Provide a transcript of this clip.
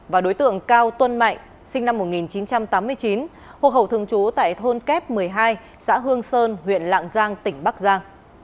và đối tượng cao tuân mạnh sinh năm một nghìn chín trăm tám mươi chín hộ khẩu thường trú tại thôn kép một mươi hai xã hương sơn huyện lạng giang tỉnh bắc giang